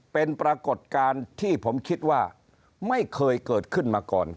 เป็นปรากฏการณ์ที่ผมคิดว่าไม่เคยเกิดขึ้นมาก่อน